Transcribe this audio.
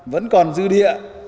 một hai vẫn còn dư đi